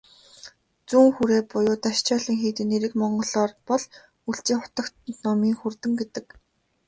Зүүн хүрээ буюу "Дашчойлин" хийдийн нэрийг монголоор бол "Өлзий хутагт номын хүрдэн" гэдэг.